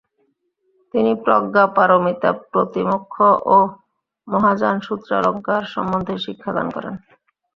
তিনি প্রজ্ঞাপারমিতা, প্রতিমোক্ষ ও মহাযানসূত্রালঙ্কার সম্বন্ধে শিক্ষা দান করেন।